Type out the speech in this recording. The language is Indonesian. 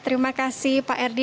terima kasih pak erdi